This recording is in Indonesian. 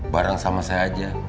bareng sama saya aja